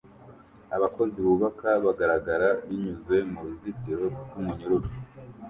abakozi bubaka bagaragara binyuze muruzitiro rwumunyururu